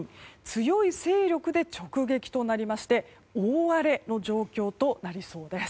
強い勢力で直撃となりまして大荒れの状況となりそうです。